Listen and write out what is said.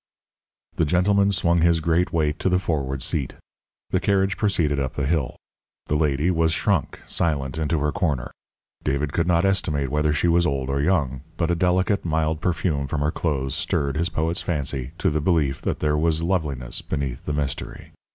The gentleman swung his great weight to the forward seat. The carriage proceeded up the hill. The lady was shrunk, silent, into her corner. David could not estimate whether she was old or young, but a delicate, mild perfume from her clothes stirred his poet's fancy to the belief that there was loveliness beneath the mystery.